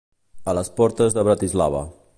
A les portes de Bratislava.